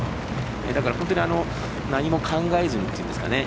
だから、本当に何も考えずにというんですかね。